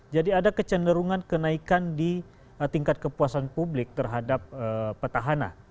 jadi ada kecenderungan kenaikan di tingkat kepuasan publik terhadap petahana